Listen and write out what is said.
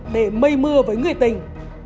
để mây mưa với người tình